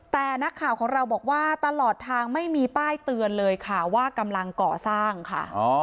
แต่นักข่าวของเราบอกว่าตลอดทางไม่มีป้ายเตือนเลยค่ะว่ากำลังก่อสร้างค่ะ